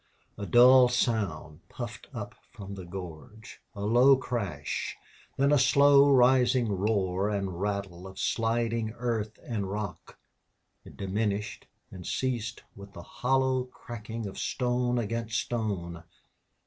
A dull sound puffed up from the gorge, a low crash, then a slow rising roar and rattle of sliding earth and rock. It diminished and ceased with the hollow cracking of stone against stone.